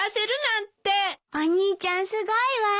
お兄ちゃんすごいわ！